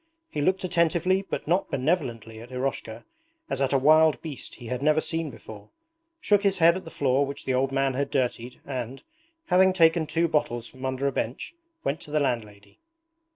He looked attentively but not benevolently at Eroshka, as at a wild beast he had never seen before, shook his head at the floor which the old man had dirtied and, having taken two bottles from under a bench, went to the landlady.